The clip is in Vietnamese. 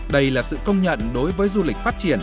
đây là sự công nhận đối với du lịch phát triển